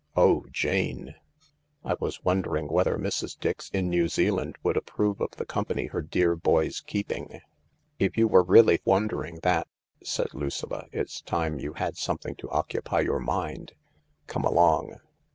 (Oh, Jane !)" I was wondering whether Mrs. Dix in New Zealand would approve of the company her dear boy's keeping." " If you Were really wondering that," said Lucilla, "it's time you had something to occupy your mind. Come along.